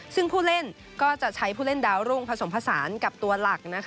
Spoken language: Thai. ซึ่งผู้เล่นก็จะใช้ผู้เล่นดาวรุ่งผสมผสานกับตัวหลัก